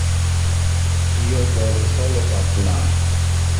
Io vole solo parlar.